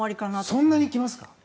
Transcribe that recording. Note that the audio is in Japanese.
そんなに行きますか？